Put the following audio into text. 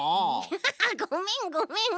ハハハごめんごめん。